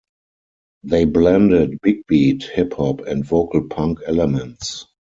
They blended big-beat, hip hop, and vocal punk elements.